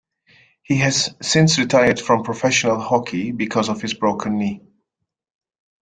He has since retired from professional hockey because of his broken knee.